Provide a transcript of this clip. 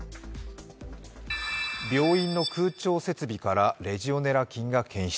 病院の空調設備からレジオネラ菌が検出。